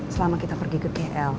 selama kita pergi ke gl